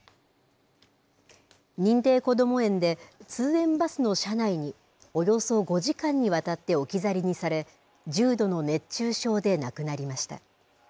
認定こども園で通園バスの車内に、およそ５時間にわたって置き去りにされ、重度の熱中症で亡くなりました。